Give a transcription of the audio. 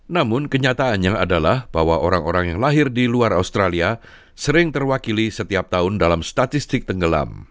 namun kenyataannya adalah bahwa orang orang yang lahir di luar australia sering terwakili setiap tahun dalam statistik tenggelam